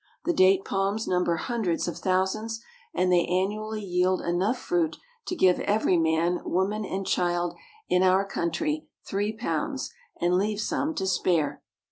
The date palms number hundreds of thousands, and they annually yield enough fruit to give every man, woman, and child in our country three pounds, and leave some to spare.